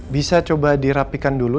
bisa coba dirapikan dulu